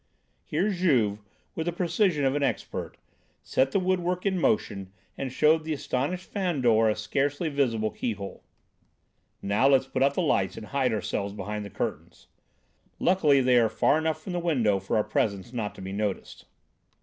Here Juve, with the precision of an expert, set the woodwork in motion and showed the astonished Fandor a scarcely visible key hole. "Now, let's put out the light and hide ourselves behind the curtains. Luckily they are far enough from the window for our presence not to be noticed."